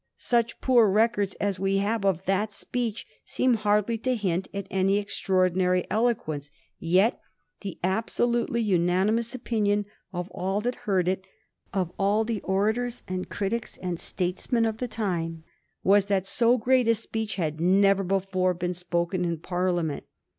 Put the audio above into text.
Such poor records as we have of that speech seem hardly to hint at any extraordinary eloquence ; yet the absolutely unanimous opinion of all that heard it — of all the orators and statesmen and critics of the time — ^was that so great a speech had never before been spoken in Parliament.